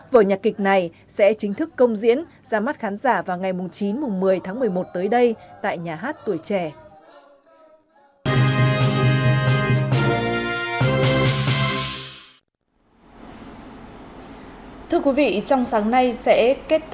vở nhạc kịch này sẽ chính thức công diễn ra mắt khán giả vào ngày chín một mươi tháng một mươi một tới đây tại nhà hát tuổi trẻ